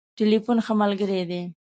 ټليفون ښه ملګری دی.